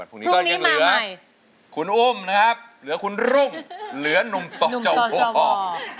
พรุ่งนี้ก็ยังเหลือคุณอุ้มนะครับเหลือคุณรุ่งเหลือนุ่มต่อเจ้าหัวออก